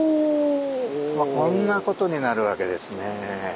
まあこんなことになるわけですね。